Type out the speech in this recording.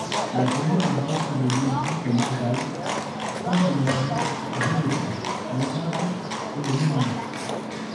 La commune englobe les lieux-dits de Margal, Cantemerles, Violès, les Abbes et le Moulinas.